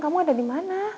kamu ada di mana